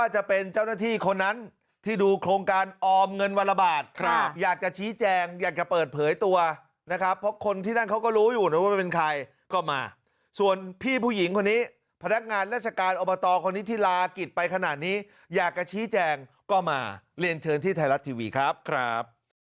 ใจอยากจะชี้แจงอยากจะเปิดเผยตัวนะครับเพราะคนที่นั่นเขาก็รู้อยู่ว่าเป็นใครก็มาส่วนพี่ผู้หญิงคนนี้พนักงานราชการอบตคนนี้ที่ลากิจไปขนาดนี้อยากจะชี้แจงก็มาเรียนเชิญที่ไทยรัฐทีวีครับ